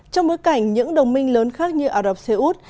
trong bối cảnh những đồng minh lớn khác như ả rập xê út